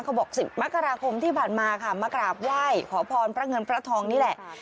บอก๑๐มกราคมที่ผ่านมาค่ะมากราบไหว้ขอพรพระเงินพระทองนี่แหละ